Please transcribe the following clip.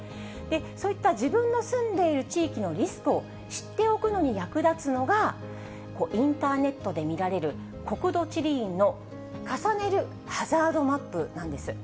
そういった自分の住んでいる地域のリスクを知っておくのに役立つのが、インターネットで見られる国土地理院の重ねるハザードマップなんです。